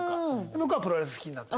向こうはプロレス好きになったり。